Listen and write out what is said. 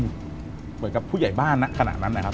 เหมือนกับผู้ใหญ่บ้านณขณะนั้นนะครับ